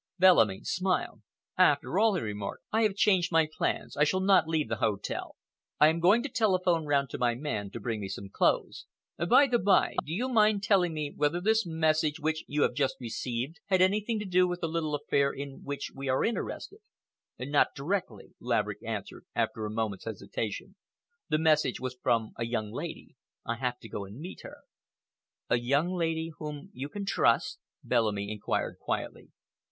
Bellamy smiled. "After all," he remarked, "I have changed my plans. I shall not leave the hotel. I am going to telephone round to my man to bring me some clothes. By the bye, do you mind telling me whether this message which you have just received had anything to do with the little affair in which we are interested?" "Not directly," Laverick answered, after a moment's hesitation. "The message was from a young lady. I have to go and meet her." "A young lady whom you can trust?" Bellamy inquired quietly.